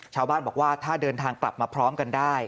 ชาวบ้านบอกว่าถ้าเดินทางกลับมาพร้อมกันได้